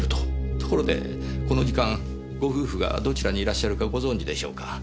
ところでこの時間ご夫婦がどちらにいらっしゃるかご存じでしょうか？